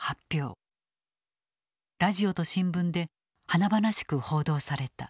ラジオと新聞で華々しく報道された。